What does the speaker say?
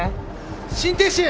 心停止！